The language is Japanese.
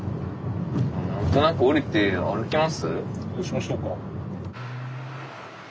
そうしましょうか。